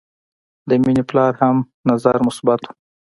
د مینې پلار هم نظر مثبت و